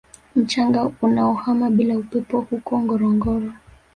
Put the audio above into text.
Mchanga unaohama bila upepo huko Ngorongoro